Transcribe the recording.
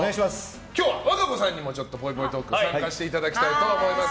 今日は和歌子さんにもぽいぽいトーク参加していただきたいと思います。